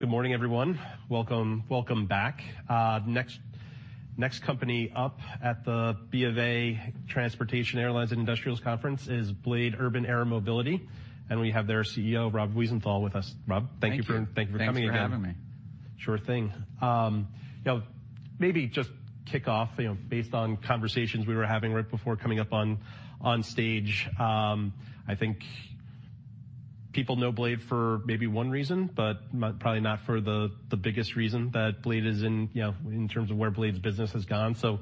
Good morning, everyone. Welcome. Welcome back. Next company up at the BofA Transportation, Airlines and Industrials Conference is BLADE Urban Air Mobility, and we have their CEO, Rob Wiesenthal, with us. Rob, thank you. Thank you. Thank you for coming again. Thanks for having me. Sure thing. You know, maybe just kick off, you know, based on conversations we were having right before coming up on stage. I think people know BLADE for maybe one reason, but probably not for the biggest reason that BLADE is in, you know, in terms of where BLADE's business has gone. So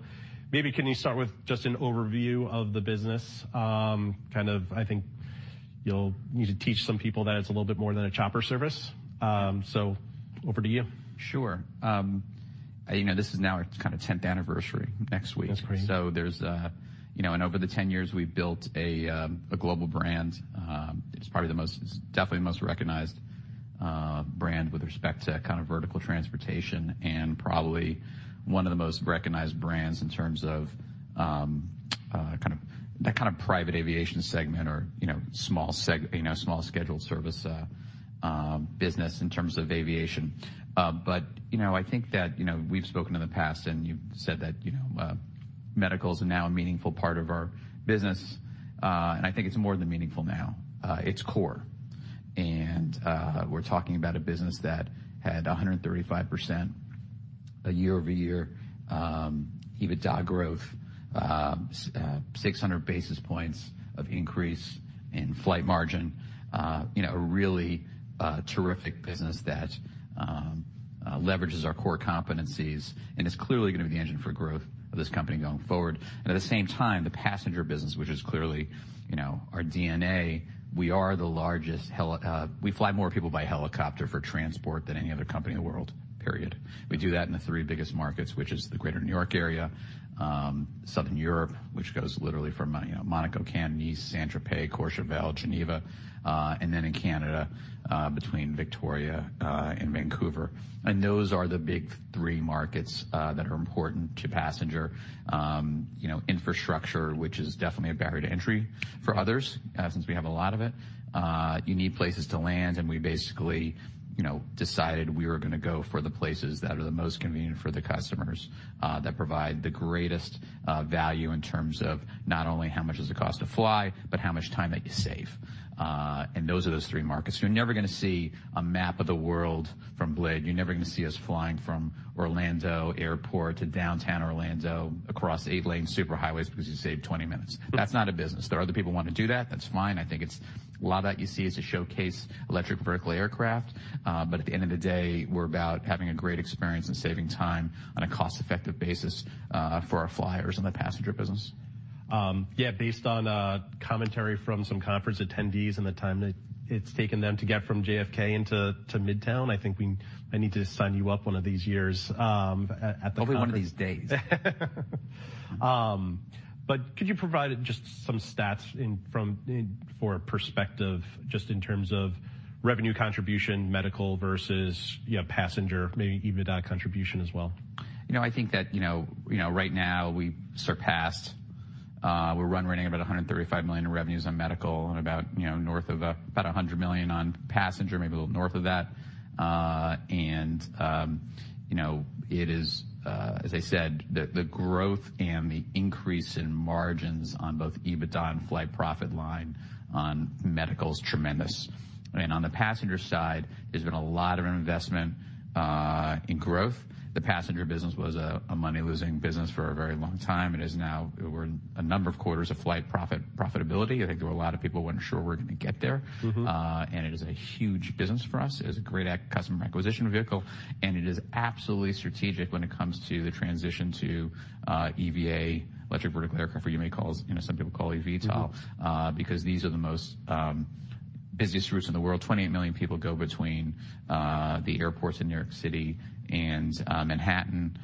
maybe can you start with just an overview of the business? Kind of I think you'll need to teach some people that it's a little bit more than a chopper service. So over to you. Sure. You know, this is now our kind of 10th anniversary next week. That's great. So there's a, you know, and over the 10 years, we've built a global brand. It's probably the most, it's definitely the most recognized brand with respect to kind of vertical transportation and probably one of the most recognized brands in terms of, kind of, that kind of private aviation segment or, you know, small scheduled service business in terms of aviation. But, you know, I think that, you know, we've spoken in the past, and you've said that, you know, medical is now a meaningful part of our business. And I think it's more than meaningful now. It's core. And we're talking about a business that had 135% year-over-year EBITDA growth, 600 basis points of increase in flight margin. You know, a really terrific business that leverages our core competencies and is clearly going to be the engine for growth of this company going forward. At the same time, the passenger business, which is clearly, you know, our DNA, we are the largest, we fly more people by helicopter for transport than any other company in the world, period. We do that in the three biggest markets, which is the greater New York area, Southern Europe, which goes literally from, you know, Monaco, Cannes, Nice, Saint-Tropez, Courchevel, Geneva, and then in Canada, between Victoria and Vancouver. Those are the big three markets that are important to passenger, you know, infrastructure, which is definitely a barrier to entry for others, since we have a lot of it. You need places to land, and we basically, you know, decided we were going to go for the places that are the most convenient for the customers, that provide the greatest value in terms of not only how much does it cost to fly, but how much time it could save. And those are those three markets. You're never going to see a map of the world from Blade. You're never going to see us flying from Orlando Airport to downtown Orlando across eight-lane super highways because you save 20 minutes. That's not a business. There are other people who want to do that, that's fine. I think it's a lot of that you see is to showcase electric vertical aircraft. But at the end of the day, we're about having a great experience and saving time on a cost-effective basis for our flyers in the passenger business. Yeah, based on commentary from some conference attendees and the time that it's taken them to get from JFK into Midtown, I think I need to sign you up one of these years, at the conference. Probably one of these days. But could you provide just some stats for perspective, just in terms of revenue contribution, medical versus, yeah, passenger, maybe EBITDA contribution as well? You know, I think that, you know, you know, right now we surpassed, we're running about $135 million in revenues on medical and about, you know, north of about $100 million on passenger, maybe a little north of that. And, you know, it is, as I said, the growth and the increase in margins on both EBITDA and flight profit line on medical is tremendous. I mean, on the passenger side, there's been a lot of investment in growth. The passenger business was a money-losing business for a very long time. It is now... We're a number of quarters of flight profit profitability. I think there were a lot of people who weren't sure we're going to get there. Mm-hmm. And it is a huge business for us. It is a great customer acquisition vehicle, and it is absolutely strategic when it comes to the transition to EVA, electric vertical aircraft, or you may call us, you know, some people call EVTOL- Mm-hmm. because these are the most busiest routes in the world. 28 million people go between the airports in New York City and Manhattan.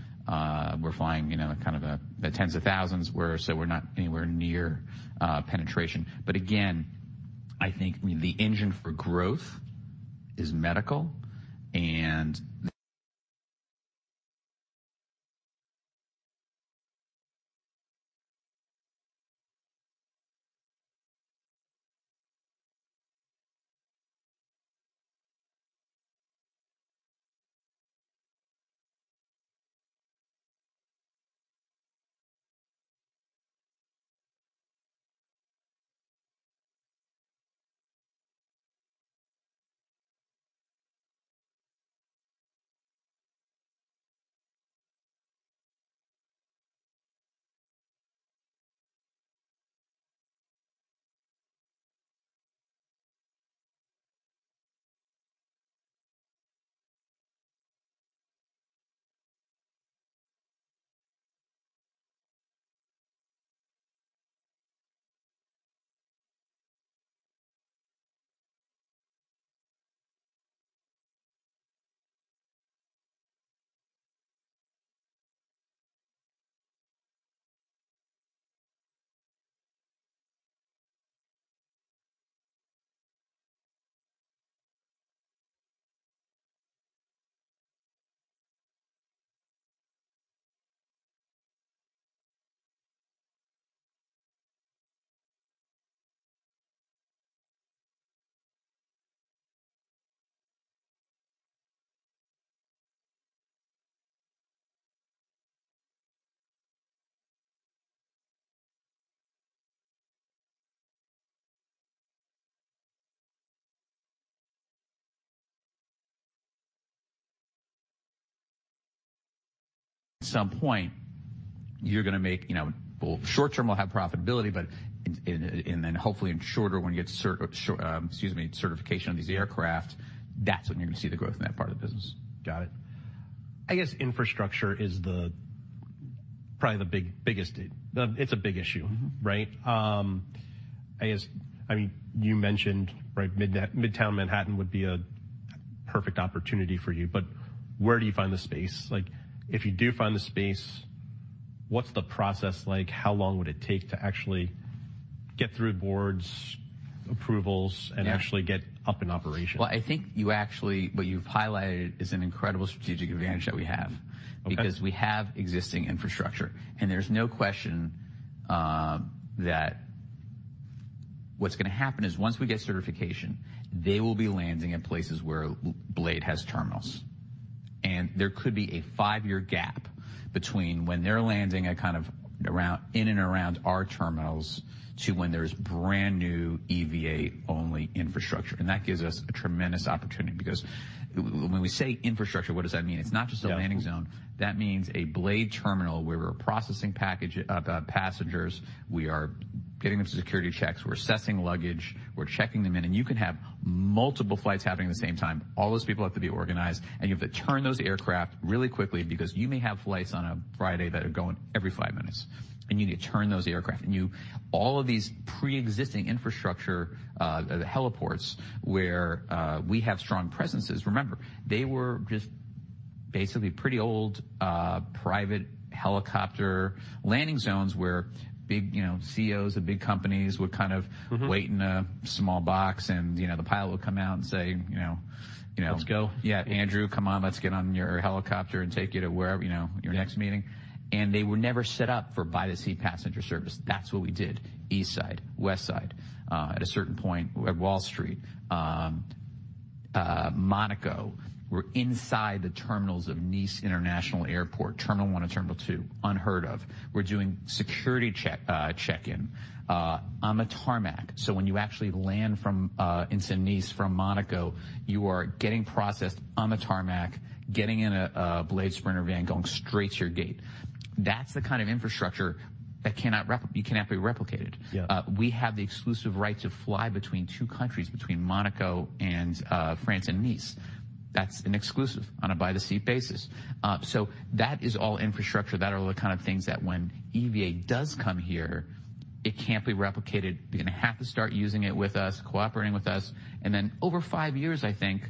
We're flying, you know, kind of the tens of thousands, so we're not anywhere near penetration. But again, I think the engine for growth is medical. At some point, you're gonna make, you know, well, short term, we'll have profitability, but in and then hopefully in shorter, when you get certification of these aircraft, that's when you're gonna see the growth in that part of the business. Got it. I guess infrastructure is the, probably the biggest, it's a big issue, right? Mm-hmm. I guess, I mean, you mentioned, right, Midtown Manhattan would be a perfect opportunity for you, but where do you find the space? Like, if you do find the space, what's the process like? How long would it take to actually get through boards, approvals- Yeah. Actually get up and operational? Well, I think you actually, what you've highlighted is an incredible strategic advantage that we have. Okay. Because we have existing infrastructure, and there's no question that what's gonna happen is once we get certification, they will be landing in places where BLADE has terminals. And there could be a five-year gap between when they're landing at kind of around, in and around our terminals to when there's brand-new EVA-only infrastructure, and that gives us a tremendous opportunity. Because when we say infrastructure, what does that mean? Yeah. It's not just a landing zone. That means a Blade terminal, where we're processing package, passengers, we are getting them through security checks, we're assessing luggage, we're checking them in, and you can have multiple flights happening at the same time. All those people have to be organized, and you have to turn those aircraft really quickly because you may have flights on a Friday that are going every five minutes, and you need to turn those aircraft. And you -- all of these preexisting infrastructure, the heliports, where we have strong presences, remember, they were just basically pretty old, private helicopter landing zones where big, you know, CEOs of big companies would kind of- Mm-hmm. wait in a small box, and, you know, the pilot would come out and say, you know, you know- Let's go. Yeah. "Andrew, come on, let's get on your helicopter and take you to wherever, you know, your next meeting. Yeah. They were never set up for by-the-seat passenger service. That's what we did. East Side, West Side, at a certain point, we had Wall Street, Monaco. We're inside the terminals of Nice International Airport, Terminal 1 and Terminal 2. Unheard of. We're doing security check, check-in, on the tarmac. So when you actually land from, into Nice from Monaco, you are getting processed on the tarmac, getting in a BLADE Sprinter van, going straight to your gate. That's the kind of infrastructure that cannot be replicated. Yeah. We have the exclusive right to fly between two countries, between Monaco and France and Nice. That's an exclusive on a by-the-seat basis. So that is all infrastructure. That are the kind of things that when EVA does come here, it can't be replicated. You're gonna have to start using it with us, cooperating with us, and then over five years, I think,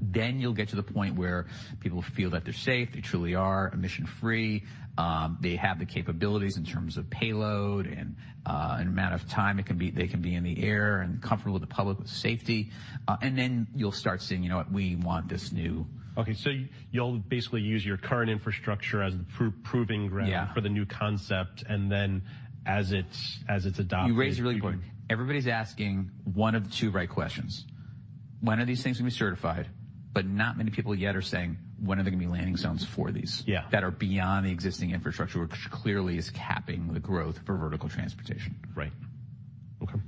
then you'll get to the point where people feel that they're safe. They truly are emission-free. They have the capabilities in terms of payload and amount of time they can be in the air and comfortable with the public with safety. And then you'll start seeing, "You know what? We want this new- Okay, so you'll basically use your current infrastructure as the proving ground. Yeah for the new concept, and then as it's adopted You raise a really good point. Everybody's asking one of the two right questions. When are these things gonna be certified? But not many people yet are saying, "When are there gonna be landing zones for these- Yeah. that are beyond the existing infrastructure, which clearly is capping the growth for vertical transportation? Right. Okay.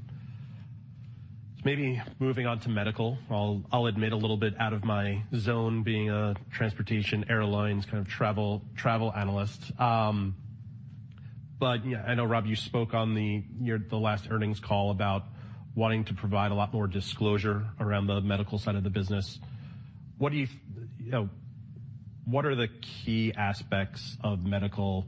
Maybe moving on to medical, I'll admit a little bit out of my zone, being a transportation, airlines, kind of travel, travel analyst. But, yeah, I know, Rob, you spoke on the last earnings call about wanting to provide a lot more disclosure around the medical side of the business. What do you... You know, what are the key aspects of medical,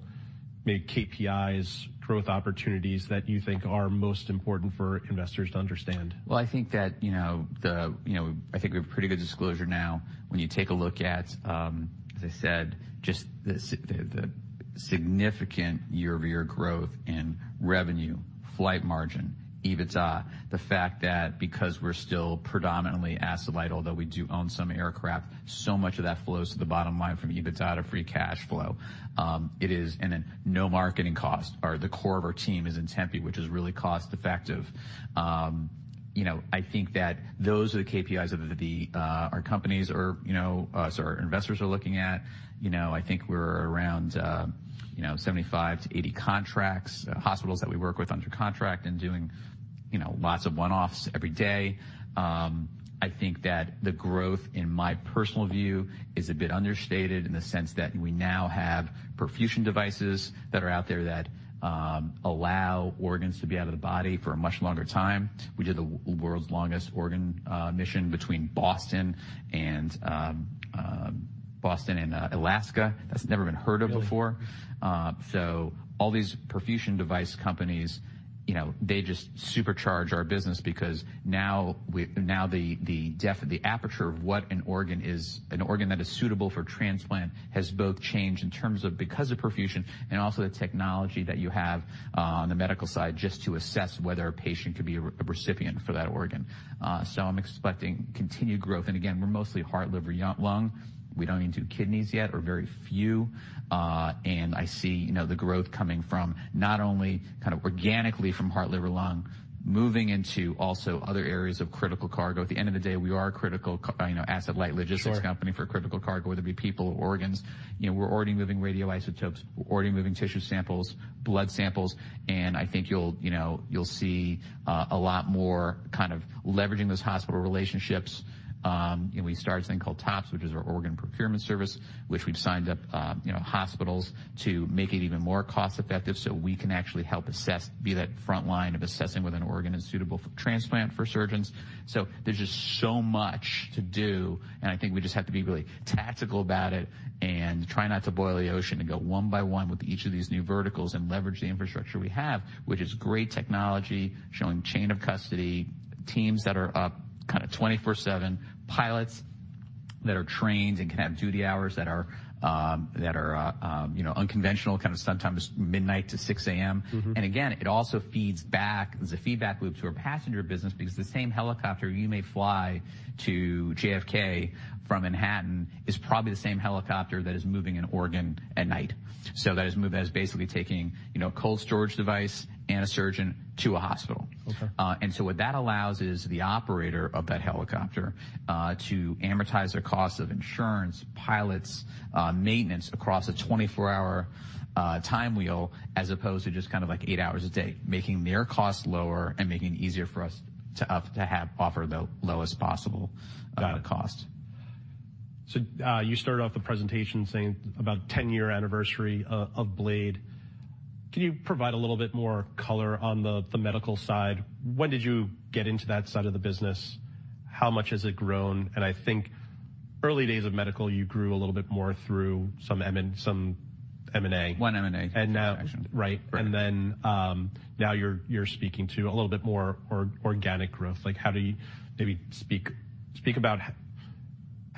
maybe KPIs, growth opportunities that you think are most important for investors to understand? Well, I think that, you know, the, you know, I think we have pretty good disclosure now when you take a look at, as I said, just the significant year-over-year growth in revenue, flight margin, EBITDA, the fact that because we're still predominantly asset-light, although we do own some aircraft, so much of that flows to the bottom line from EBITDA to free cash flow. It is, and then no marketing cost, or the core of our team is in Tempe, which is really cost-effective. You know, I think that those are the KPIs of the, our companies or, you know, us or our investors are looking at. You know, I think we're around, you know, 75-80 contracts, hospitals that we work with under contract and doing, you know, lots of one-offs every day. I think that the growth, in my personal view, is a bit understated in the sense that we now have perfusion devices that are out there that allow organs to be out of the body for a much longer time. We did the world's longest organ mission between Boston and Alaska. That's never been heard of before. Yeah. So all these perfusion device companies, you know, they just supercharge our business because now the aperture of what an organ is, an organ that is suitable for transplant, has both changed in terms of because of perfusion and also the technology that you have on the medical side, just to assess whether a patient could be a recipient for that organ. So I'm expecting continued growth, and again, we're mostly heart, liver, lung. We don't even do kidneys yet, or very few. And I see, you know, the growth coming from not only kind of organically from heart, liver, lung, moving into also other areas of critical cargo. At the end of the day, we are a critical, you know, asset-light logistics- Sure. company for critical cargo, whether it be people or organs. You know, we're already moving radioisotopes. We're already moving tissue samples, blood samples, and I think you'll, you know, you'll see a lot more kind of leveraging those hospital relationships. You know, we started this thing called TOPS, which is our organ procurement service, which we've signed up, you know, hospitals to make it even more cost effective so we can actually help assess, be that front line of assessing whether an organ is suitable for transplant for surgeons. So there's just so much to do, and I think we just have to be really tactical about it and try not to boil the ocean and go one by one with each of these new verticals and leverage the infrastructure we have, which is great technology, showing chain of custody, teams that are up kind of 24/7, pilots that are trained and can have duty hours that are, you know, unconventional, kind of sometimes midnight to 6:00 A.M. Mm-hmm. Again, it also feeds back. There's a feedback loop to our passenger business because the same helicopter you may fly to JFK from Manhattan is probably the same helicopter that is moving an organ at night. So that is basically taking, you know, a cold storage device and a surgeon to a hospital. Okay. And so what that allows is the operator of that helicopter to amortize their cost of insurance, pilots, maintenance across a 24-hour time wheel, as opposed to just kind of, like, 8 hours a day, making their costs lower and making it easier for us to offer the lowest possible cost. Got it. So, you started off the presentation saying about 10-year anniversary of BLADE. Can you provide a little bit more color on the medical side? When did you get into that side of the business? How much has it grown? And I think early days of medical, you grew a little bit more through some M&A. One M&A. And now... Right. Right. Now you're speaking to a little bit more organic growth. Like, how do you maybe speak about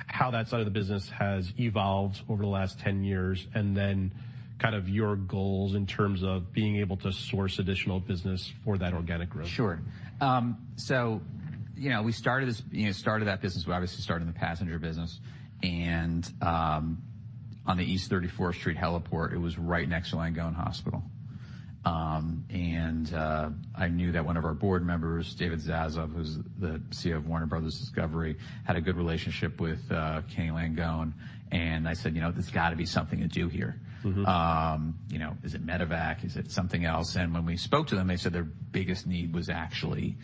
how that side of the business has evolved over the last 10 years, and then kind of your goals in terms of being able to source additional business for that organic growth? Sure. So, you know, we started this, you know, started that business. We obviously started in the passenger business, and on the East 34th Street Heliport, it was right next to Langone Hospital. I knew that one of our board members, David Zaslav, who's the CEO of Warner Bros. Discovery, had a good relationship with Ken Langone, and I said, "You know, there's got to be something to do here. Mm-hmm. You know, is it medevac? Is it something else? And when we spoke to them, they said their biggest need was actually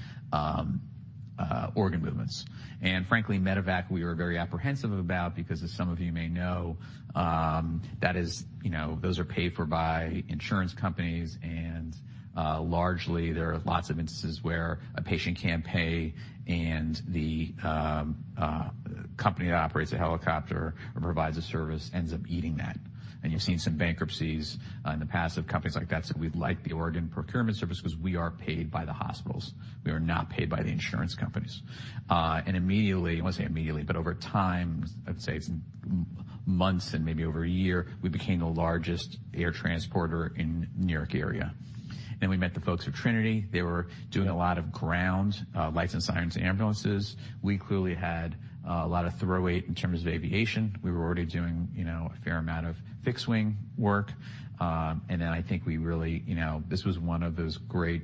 organ movements. And frankly, medevac, we were very apprehensive about because, as some of you may know, that is, you know, those are paid for by insurance companies, and largely, there are lots of instances where a patient can't pay, and the company that operates a helicopter or provides a service ends up eating that. And you've seen some bankruptcies in the past of companies like that. So we like the organ procurement service because we are paid by the hospitals. We are not paid by the insurance companies. And immediately, I won't say immediately, but over time, I'd say months and maybe over a year, we became the largest air transporter in New York area. Then we met the folks at Trinity. They were doing a lot of ground, lights and sirens, ambulances. We clearly had a lot of throw weight in terms of aviation. We were already doing, you know, a fair amount of fixed wing work. And then I think we really, you know, this was one of those great,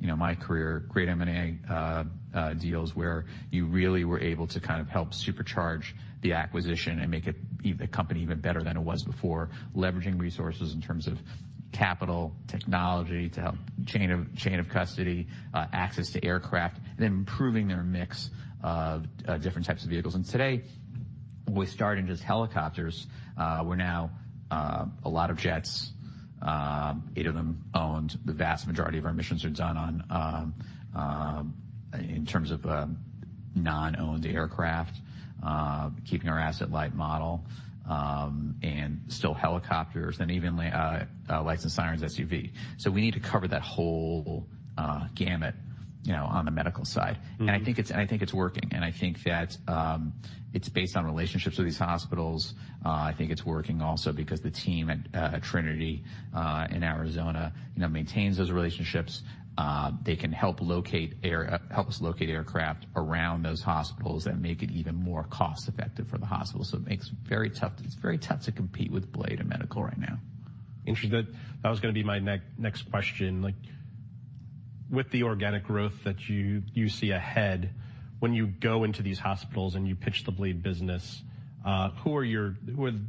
you know, my career, great M&A deals, where you really were able to kind of help supercharge the acquisition and make it, the company, even better than it was before, leveraging resources in terms of capital, technology, to help chain of custody, access to aircraft, and then improving their mix of different types of vehicles. And today, we started in just helicopters. We're now a lot of jets, eight of them owned. The vast majority of our missions are done on, in terms of, non-owned aircraft, keeping our asset-light model, and still helicopters and even, lights and sirens SUV. So we need to cover that whole, gamut, you know, on the medical side. Mm-hmm. And I think it's working, and I think that it's based on relationships with these hospitals. I think it's working also because the team at Trinity in Arizona, you know, maintains those relationships. They can help us locate aircraft around those hospitals and make it even more cost effective for the hospital. So it makes it very tough, it's very tough to compete with Blade in medical right now. Interesting. That was going to be my next question. Like, with the organic growth that you see ahead, when you go into these hospitals and you pitch the BLADE business, who are the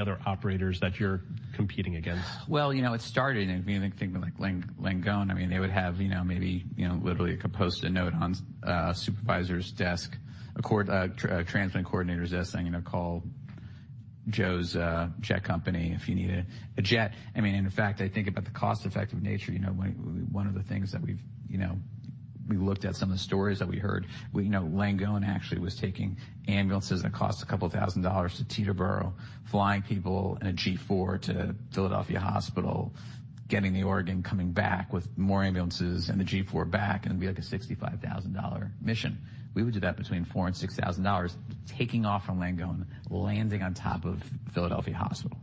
other operators that you're competing against? Well, you know, it started, and if you think of, like, Langone, I mean, they would have, you know, maybe, you know, literally could post a note on a supervisor's desk, a transplant coordinator's desk saying, you know, "Call Joe's jet company if you need a jet." I mean, in fact, I think about the cost-effective nature. You know, one of the things that we've, you know, we looked at some of the stories that we heard. We know Langone actually was taking ambulances that cost $2,000 to Teterboro, flying people in a G4 to Philadelphia Hospital, getting the organ, coming back with more ambulances and the G4 back, and it'd be, like, a $65,000 mission. We would do that between $4,000-$6,000, taking off from Langone, landing on top of Philadelphia Hospital.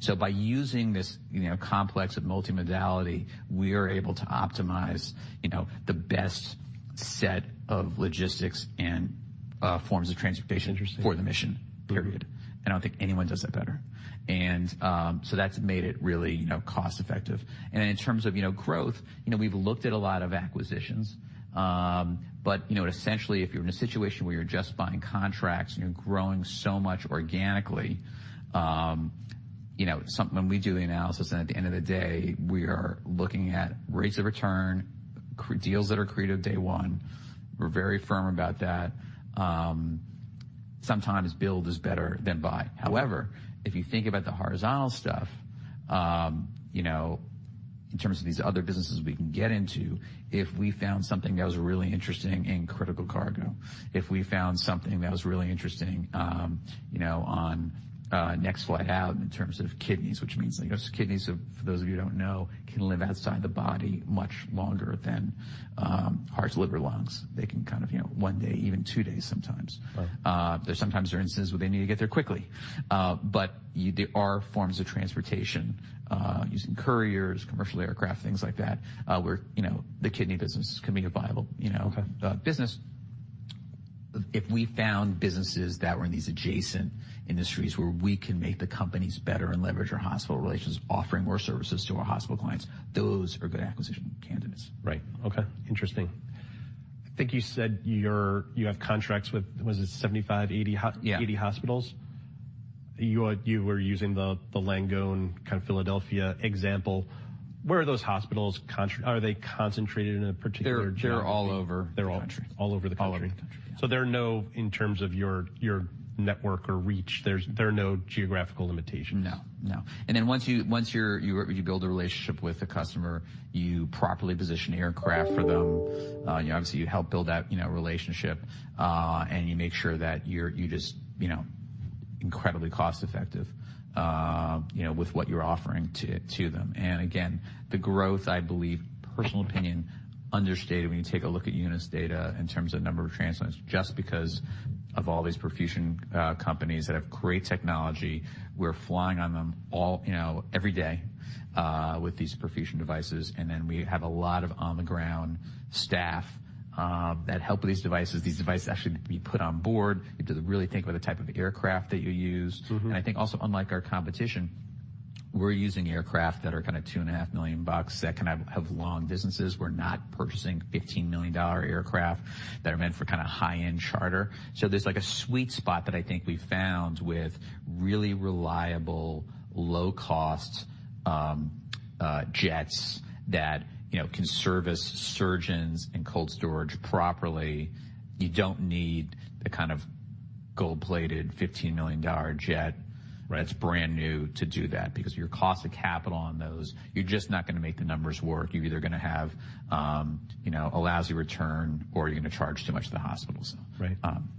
So by using this, you know, complex of multimodality, we are able to optimize, you know, the best set of logistics and forms of transportation- Interesting. For the mission, period. I don't think anyone does that better. And, so that's made it really, you know, cost effective. And in terms of, you know, growth, you know, we've looked at a lot of acquisitions, but, you know, essentially, if you're in a situation where you're just buying contracts and you're growing so much organically, you know, something. When we do the analysis, and at the end of the day, we are looking at rates of return, deals that are accretive day one. We're very firm about that. Sometimes build is better than buy. However, if you think about the horizontal stuff, you know, in terms of these other businesses we can get into, if we found something that was really interesting in critical cargo, if we found something that was really interesting, you know, on, next flight out in terms of kidneys, which means, like, those kidneys, for those of you who don't know, can live outside the body much longer than, hearts, liver, lungs. They can kind of, you know, one day, even two days, sometimes. Wow. There's sometimes there are instances where they need to get there quickly. But you—there are forms of transportation, using couriers, commercial aircraft, things like that, where, you know, the kidney business can be a viable, you know- Okay. Business. If we found businesses that were in these adjacent industries where we can make the companies better and leverage our hospital relations, offering more services to our hospital clients, those are good acquisition candidates. Right. Okay. Interesting. I think you said you have contracts with, was it 75, 80 hos- Yeah. 80 hospitals? You were using the Langone kind of Philadelphia example. Where are those hospitals are they concentrated in a particular geography? They're all over the country. They're all, all over the country. All over the country. So, in terms of your network or reach, there are no geographical limitations? No. No. And then once you, once you're, you build a relationship with the customer, you properly position aircraft for them. You obviously, you help build out, you know, a relationship, and you make sure that you're, you just, you know, incredibly cost effective, you know, with what you're offering to, to them. And again, the growth, I believe, personal opinion, understated, when you take a look at UNOS data in terms of number of transplants, just because of all these perfusion companies that have great technology, we're flying on them all, you know, every day, with these perfusion devices. And then we have a lot of on-the-ground staff that help with these devices. These devices actually be put on board. You have to really think about the type of aircraft that you use. Mm-hmm. I think also, unlike our competition, we're using aircraft that are kind of $2.5 million that can have long distances. We're not purchasing $15 million aircraft that are meant for kind of high-end charter. So there's, like, a sweet spot that I think we've found with really reliable, low-cost jets that, you know, can service surgeons and cold storage properly. You don't need the kind of gold-plated, $15 million jet- Right. -that's brand new to do that, because your cost of capital on those, you're just not gonna make the numbers work. You're either gonna have, you know, a lousy return, or you're gonna charge too much to the hospitals. Right. Um.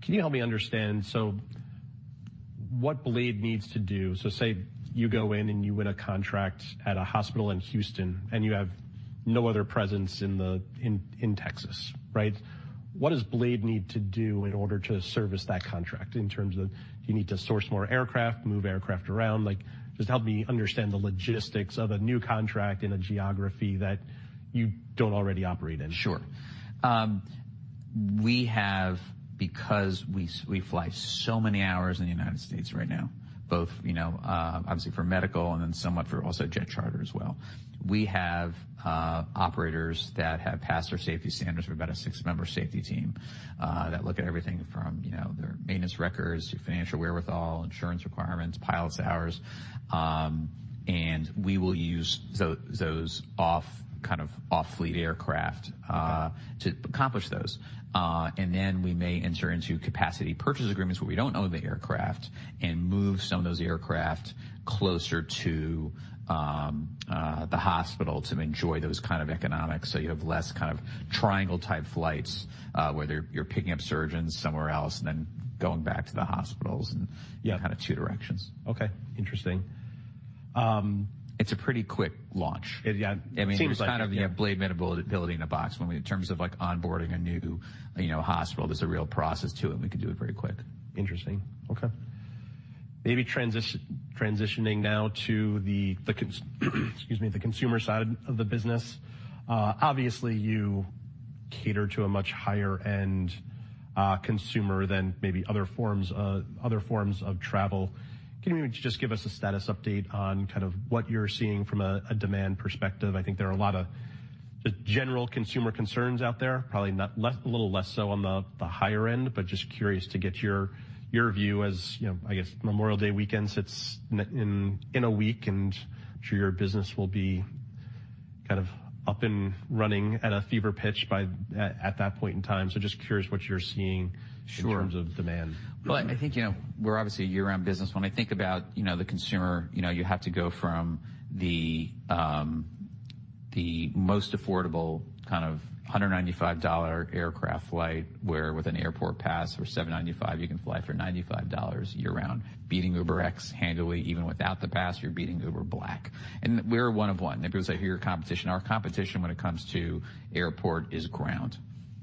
Can you help me understand, so what Blade needs to do. So say you go in and you win a contract at a hospital in Houston, and you have no other presence in the, in Texas, right? What does Blade need to do in order to service that contract in terms of do you need to source more aircraft, move aircraft around? Like, just help me understand the logistics of a new contract in a geography that you don't already operate in. Sure. We have, because we fly so many hours in the United States right now, both, you know, obviously for medical and then somewhat for also jet charter as well. We have operators that have passed our safety standards. We have about a six-member safety team that look at everything from, you know, their maintenance records to financial wherewithal, insurance requirements, pilots' hours. And we will use those off, kind of off-fleet aircraft. Okay. to accomplish those. And then we may enter into capacity purchase agreements where we don't own the aircraft and move some of those aircraft closer to the hospital to enjoy those kind of economics, so you have less kind of triangle-type flights, where you're picking up surgeons somewhere else and then going back to the hospitals and Yeah. kind of two directions. Okay. Interesting. It's a pretty quick launch. Yeah, yeah. Seems like it. I mean, there's kind of, you know, BLADE meability in a box. When we, in terms of, like, onboarding a new, you know, hospital, there's a real process to it, and we can do it very quick. Interesting. Okay. Maybe transitioning now to the, excuse me, the consumer side of the business. Obviously, you cater to a much higher-end consumer than maybe other forms of, other forms of travel. Can you just give us a status update on kind of what you're seeing from a demand perspective? I think there are a lot of just general consumer concerns out there, probably less, a little less so on the higher end, but just curious to get your view as, you know, I guess Memorial Day weekend sits in a week, and I'm sure your business will be kind of up and running at a fever pitch by at that point in time. So just curious what you're seeing. Sure. in terms of demand. Well, I think, you know, we're obviously a year-round business. When I think about, you know, the consumer, you know, you have to go from the most affordable kind of $195 aircraft flight, where with an airport pass for $795, you can fly for $95 year-round, beating UberX handily. Even without the pass, you're beating Uber Black. And we're one of one. People say, "Who are your competition?" Our competition when it comes to airport, is ground.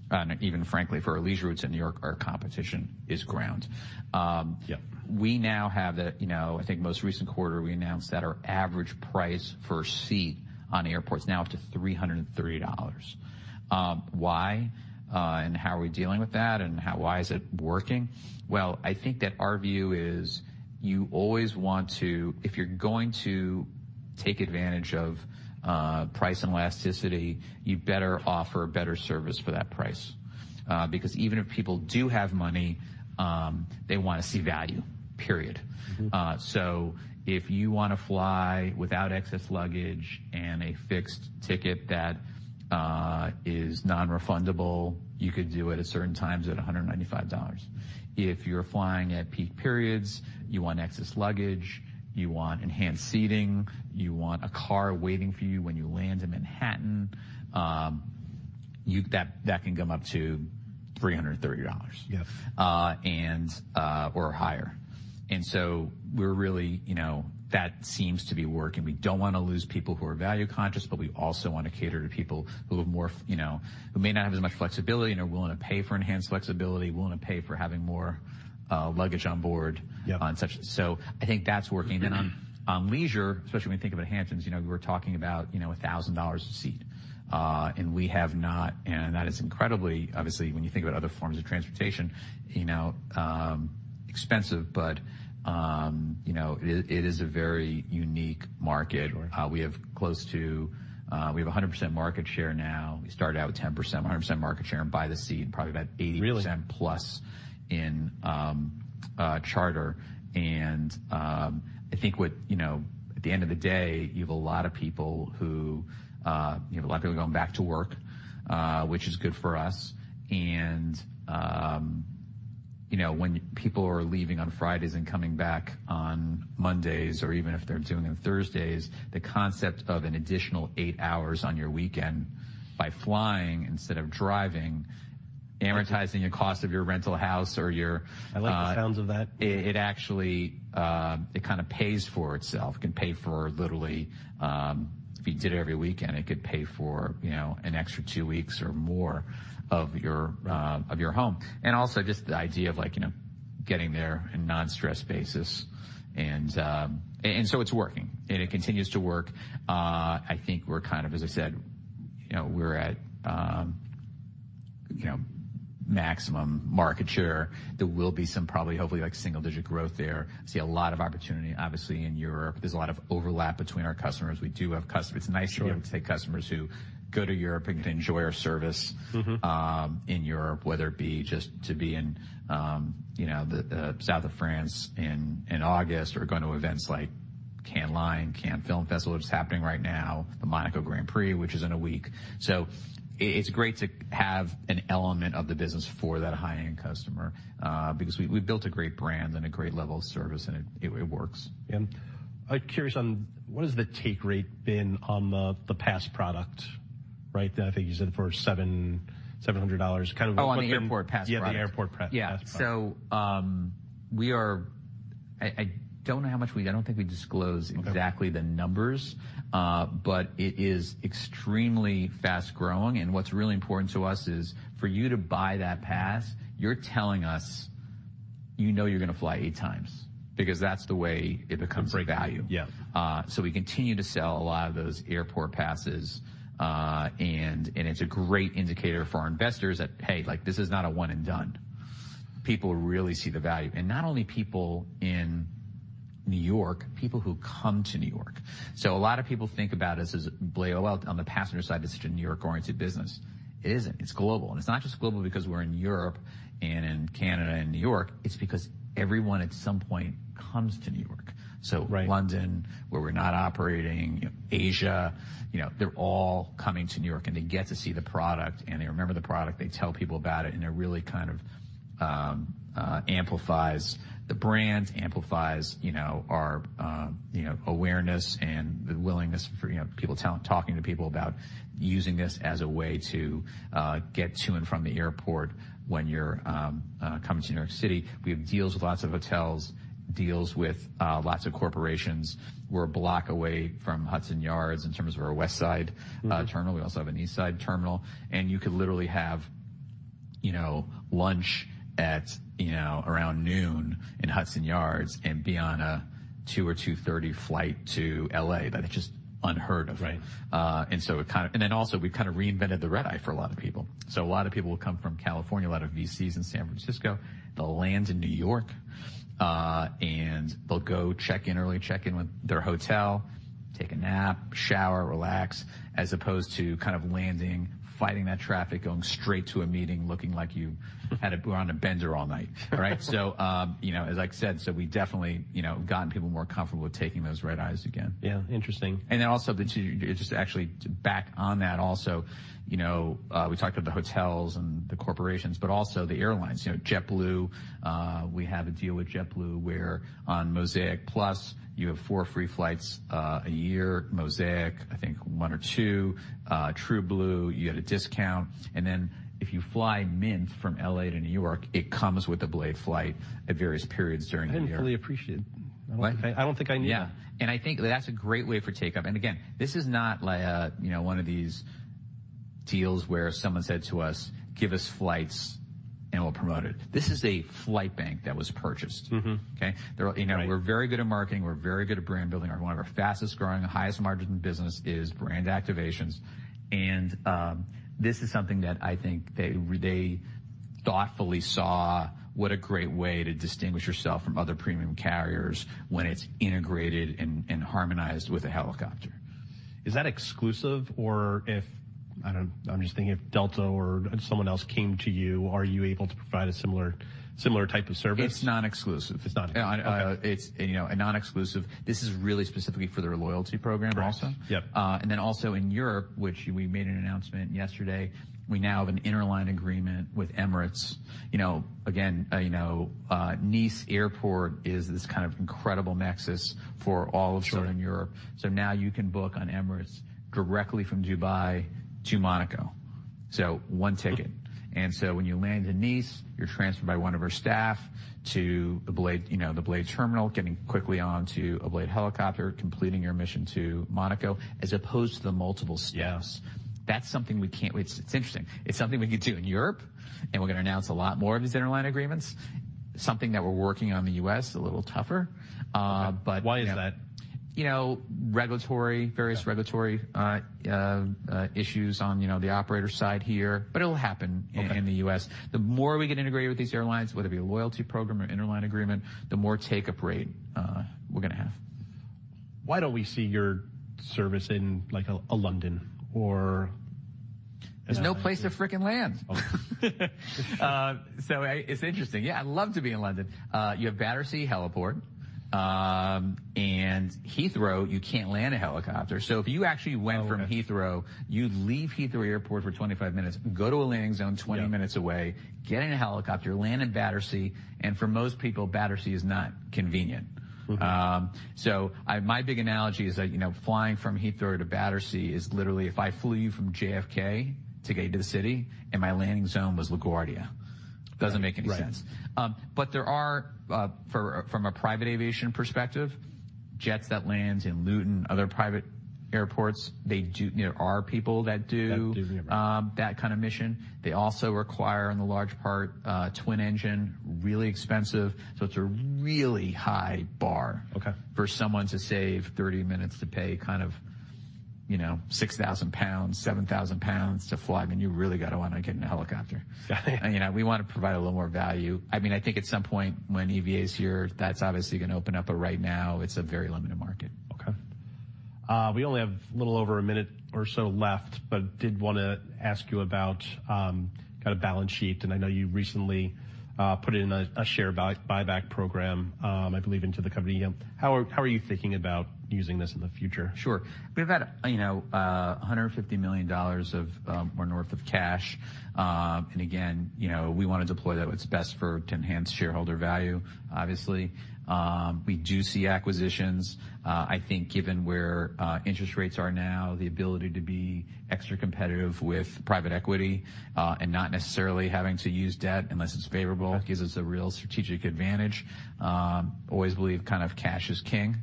And even frankly, for our leisure routes in New York, our competition is ground. Yep. We now have the, you know, I think most recent quarter, we announced that our average price per seat on airports is now up to $330. Why and how are we dealing with that, and why is it working? Well, I think that our view is you always want to if you're going to take advantage of price and elasticity, you better offer better service for that price. Because even if people do have money, they wanna see value, period. Mm-hmm. So if you wanna fly without excess luggage and a fixed ticket that is non-refundable, you could do it at certain times at $195. If you're flying at peak periods, you want excess luggage, you want enhanced seating, you want a car waiting for you when you land in Manhattan, that, that can come up to $330. Yes. or higher. And so we're really... You know, that seems to be working. We don't wanna lose people who are value conscious, but we also want to cater to people who have more, you know, who may not have as much flexibility and are willing to pay for enhanced flexibility, willing to pay for having more luggage on board- Yep. on such. So I think that's working. Mm-hmm. On leisure, especially when you think about the Hamptons, you know, we're talking about, you know, $1,000 a seat. And we have not... And that is incredibly, obviously, when you think about other forms of transportation, you know, expensive, but, you know, it is a very unique market. Sure. We have close to, we have 100% market share now. We started out with 10%. 100% market share by the seat, probably about 80%- Really? plus in charter. And, I think, you know, at the end of the day, you have a lot of people going back to work, which is good for us. And, you know, when people are leaving on Fridays and coming back on Mondays, or even if they're doing it on Thursdays, the concept of an additional eight hours on your weekend by flying instead of driving, amortizing the cost of your rental house or your I like the sounds of that. It actually kind of pays for itself. It can pay for literally if you did it every weekend, it could pay for, you know, an extra two weeks or more of your home. And also just the idea of like, you know, getting there in a non-stress basis, and so it's working, and it continues to work. I think we're kind of, as I said, you know, we're at, you know, maximum market share. There will be some probably, hopefully, like, single-digit growth there. I see a lot of opportunity, obviously, in Europe. There's a lot of overlap between our customers. We do have customers- Yeah. It's nice to be able to say customers who go to Europe and enjoy our service. Mm-hmm. In Europe, whether it be just to be in, you know, the south of France in August, or going to events like Cannes Lions, Cannes Film Festival, which is happening right now, the Monaco Grand Prix, which is in a week. So it's great to have an element of the business for that high-end customer, because we've built a great brand and a great level of service, and it works. Yeah. I'm curious on what the take rate has been on the pass product, right? I think you said for $700, kind of- Oh, on the airport pass product? Yeah, the airport pass product. Yeah. So, I don't think we disclose exactly the numbers. Okay. But it is extremely fast-growing, and what's really important to us is, for you to buy that pass, you're telling us you know you're gonna fly eight times, because that's the way it becomes value. Yeah. So we continue to sell a lot of those airport passes. And it's a great indicator for our investors that, hey, like, this is not a one and done. People really see the value, and not only people in New York, people who come to New York. So a lot of people think about us as BLADE, well, on the passenger side, it's such a New York-oriented business. It isn't. It's global. And it's not just global because we're in Europe and in Canada and New York, it's because everyone at some point comes to New York. Right. So London, where we're not operating, Asia, you know, they're all coming to New York, and they get to see the product, and they remember the product, they tell people about it, and it really kind of amplifies the brand, amplifies, you know, our, you know, awareness and the willingness for, you know, people talking to people about using this as a way to get to and from the airport when you're coming to New York City. We have deals with lots of hotels, deals with lots of corporations. We're a block away from Hudson Yards in terms of our West Side terminal. Mm-hmm. We also have an East Side terminal, and you could literally have, you know, lunch at, you know, around noon in Hudson Yards and be on a 2:00 P.M. or 2:30 P.M. flight to LA. That is just unheard of. Right. So we've kind of reinvented the red eye for a lot of people. So a lot of people will come from California, a lot of VCs in San Francisco. They'll land in New York, and they'll go check in early, check in with their hotel, take a nap, shower, relax, as opposed to kind of landing, fighting that traffic, going straight to a meeting, looking like you were on a bender all night. Right? So, you know, as I said, we definitely, you know, have gotten people more comfortable with taking those red eyes again. Yeah, interesting. And then also, just actually to back on that also, you know, we talked about the hotels and the corporations, but also the airlines. You know, JetBlue, we have a deal with JetBlue, where on Mosaic Plus, you have four free flights a year. Mosaic, I think, one or two. TrueBlue, you get a discount. And then if you fly Mint from LA to New York, it comes with a BLADE flight at various periods during the year. I fully appreciate it.... I, I don't think I need that. Yeah. I think that's a great way for takeup. Again, this is not like, you know, one of these deals where someone said to us, "Give us flights, and we'll promote it." This is a flight bank that was purchased. Mm-hmm. Okay? Right. You know, we're very good at marketing, we're very good at brand building. One of our fastest-growing, highest margin business is brand activations, and, this is something that I think they, they thoughtfully saw what a great way to distinguish yourself from other premium carriers when it's integrated and, and harmonized with a helicopter. Is that exclusive? Or if, I don't... I'm just thinking if Delta or if someone else came to you, are you able to provide a similar, similar type of service? It's non-exclusive. It's non-exclusive. It's, you know, a non-exclusive. This is really specifically for their loyalty program also. Correct, yep. And then also in Europe, which we made an announcement yesterday, we now have an interline agreement with Emirates. You know, again, you know, you know, Nice Airport is this kind of incredible nexus for all of- Sure... Southern Europe. So now you can book on Emirates directly from Dubai to Monaco, so one ticket. And so when you land in Nice, you're transferred by one of our staff to the Blade, you know, the Blade terminal, getting quickly onto a Blade helicopter, completing your mission to Monaco, as opposed to the multiple steps. Yes. That's something we can't wait... It's interesting. It's something we can do in Europe, and we're gonna announce a lot more of these interline agreements. Something that we're working on in the U.S., a little tougher, but- Why is that? You know, regulatory- Yeah... various regulatory issues on, you know, the operator side here, but it'll happen- Okay... in the US. The more we get integrated with these airlines, whether it be a loyalty program or interline agreement, the more take-up rate, we're gonna have. Why don't we see your service in, like, a London or...? There's no place to freaking land. Okay. It's interesting. Yeah, I'd love to be in London. You have Battersea Heliport. And Heathrow, you can't land a helicopter. Oh, okay. If you actually went from Heathrow, you'd leave Heathrow Airport for 25 minutes, go to a landing zone 20 minutes away- Yeah... get in a helicopter, land in Battersea, and for most people, Battersea is not convenient. Mm-hmm. So my big analogy is that, you know, flying from Heathrow to Battersea is literally if I flew you from JFK to get into the city, and my landing zone was LaGuardia. Right. Doesn't make any sense. Right. But there are, from a private aviation perspective, jets that lands in Luton, other private airports, they do... There are people that do- That do get around.... that kind of mission. They also require, in large part, twin engine, really expensive, so it's a really high bar- Okay... for someone to save 30 minutes to pay kind of, you know, 6,000 pounds, 7,000 pounds to fly. I mean, you really gotta wanna get in a helicopter. You know, we wanna provide a little more value. I mean, I think at some point, when EVA's here, that's obviously gonna open up, but right now it's a very limited market. Okay. We only have a little over a minute or so left, but did want to ask you about kind of balance sheet. I know you recently put in a share buyback program, I believe, into the company. How are you thinking about using this in the future? Sure. We've had, you know, $150 million of, or north of, cash. And again, you know, we wanna deploy that what's best for, to enhance shareholder value, obviously. We do see acquisitions. I think given where interest rates are now, the ability to be extra competitive with private equity, and not necessarily having to use debt unless it's favorable- Okay ...gives us a real strategic advantage. Always believe kind of cash is king.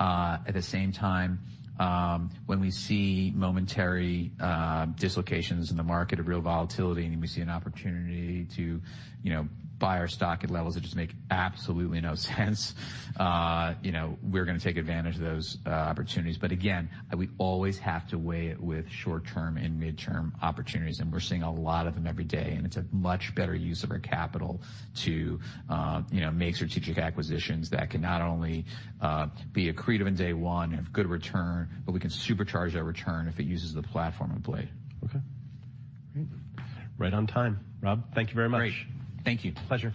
At the same time, when we see momentary dislocations in the market, a real volatility, and we see an opportunity to, you know, buy our stock at levels that just make absolutely no sense, you know, we're gonna take advantage of those opportunities. But again, we always have to weigh it with short-term and mid-term opportunities, and we're seeing a lot of them every day, and it's a much better use of our capital to, you know, make strategic acquisitions that can not only be accretive in day one, have good return, but we can supercharge that return if it uses the platform of BLADE. Okay. Great. Right on time. Rob, thank you very much. Great. Thank you. Pleasure.